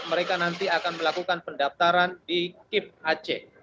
mereka nanti akan melakukan pendaftaran di kip aceh